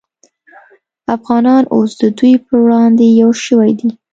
افغانان اوس د دوی پر وړاندې یو شوي دي